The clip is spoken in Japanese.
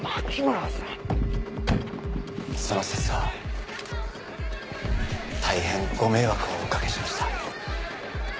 その節は大変ご迷惑をお掛けしました。